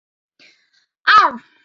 团体活动内容请见水晶男孩页面。